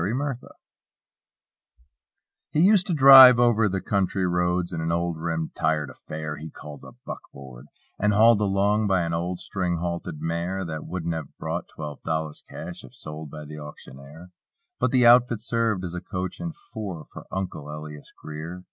"UNCLE" LIAS He used to drive over the "county roads" In an old rim tired affair He called a "buck board;" and hauled along By an old string halted mare That wouldn't have brought twelve dollars cash If sold by the auctioneer; But the outfit served as a "coach and four" For "Uncle" Elias Greer.